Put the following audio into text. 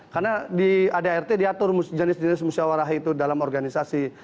karena di drt diatur jenis jenis musyawarah itu dalam organisasi